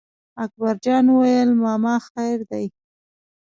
اکبر جان وویل: ماما خیر دی.